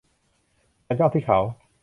ฉันจ้องที่เขา